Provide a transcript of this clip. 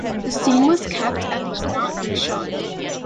The scene was kept and was not reshot.